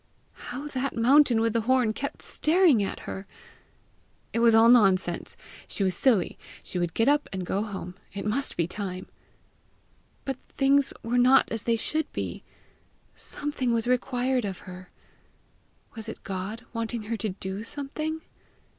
How that mountain with the horn kept staring at her! It was all nonsense! She was silly! She would get up and go home: it must be time! But things were not as they should be! Something was required of her! Was it God wanting her to do something?